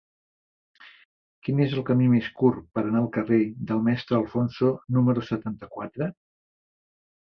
Quin és el camí més curt per anar al carrer del Mestre Alfonso número setanta-quatre?